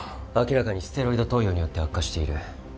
明らかにステロイド投与によって悪化している。